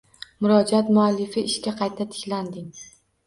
Murojaat muallifi ishga qayta tiklanding